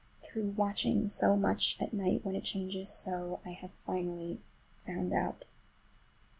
Through watching so much at night, when it changes so, I have finally found out.